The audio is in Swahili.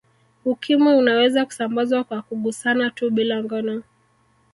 Ukimwi unaweza kusambazwa kwa kugusana tu bila ngono